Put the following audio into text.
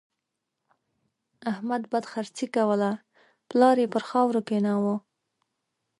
احمد بدخرڅي کوله؛ پلار يې پر خاورو کېناوو.